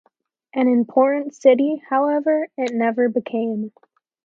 An important city, however, it never became.